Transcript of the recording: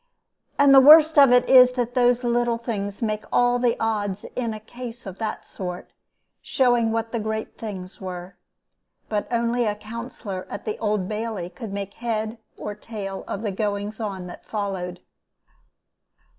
And the worst of it is that those little things make all the odds in a case of that sort, showing what the great things were. But only a counselor at the Old Bailey could make head or tail of the goings on that followed.